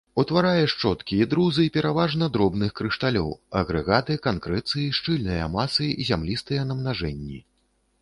Утварае шчоткі і друзы пераважна дробных крышталёў, агрэгаты, канкрэцыі, шчыльныя масы, зямлістыя намнажэнні.